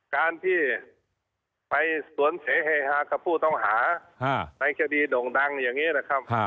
การที่ไปสวนเสเฮฮากับผู้ต้องหาในคดีโด่งดังอย่างนี้นะครับ